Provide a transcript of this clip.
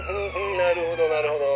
なるほどなるほど。